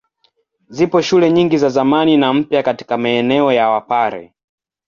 Zipo shule nyingi za zamani na mpya katika maeneo ya Wapare.